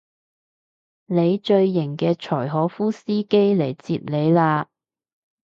你最型嘅柴可夫司機嚟接你喇